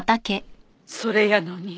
それやのに。